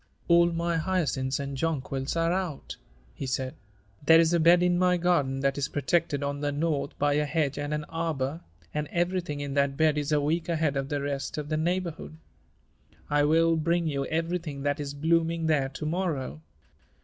"All my hyacinths and jonquils are out," he said. "There is a bed in my garden that is protected on the north by a hedge and an arbor, and everything in that bed is a week ahead of the rest of the neighborhood. I will bring you everything that is blooming there to morrow.